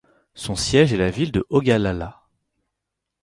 Son siège est la ville de Ogallala.